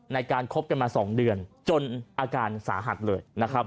ในการคบกันมา๒เดือนจนอาการสาหัสเลยนะครับ